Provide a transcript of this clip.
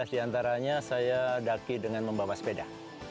dan sebelas diantaranya saya daki dengan membawa sepeda